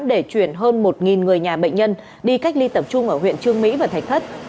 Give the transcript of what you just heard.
để chuyển hơn một người nhà bệnh nhân đi cách ly tập trung ở huyện trương mỹ và thạch thất